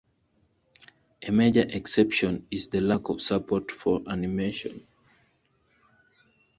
A major exception is the lack of support for animation.